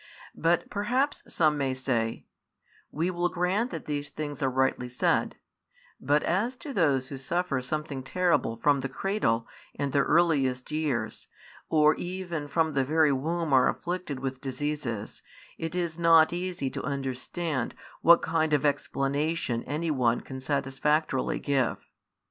But perhaps some may say: we will grant that these things are rightly said; but as to those who suffer something terrible from the cradle and their earliest years, or even from the very womb are afflicted with diseases, it is not easy to understand what kind of explanation any one can satisfactorily give.